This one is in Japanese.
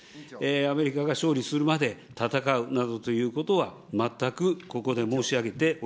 アメリカが勝利するまで戦うなどということは全くここで申し上げ